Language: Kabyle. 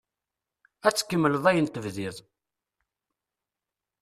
Ad tkemmleḍ ayen tebdiḍ.